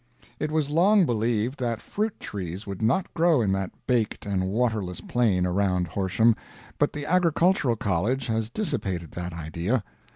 It was long believed that fruit trees would not grow in that baked and waterless plain around Horsham, but the agricultural college has dissipated that idea.